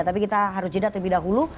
tapi kita harus jeda terlebih dahulu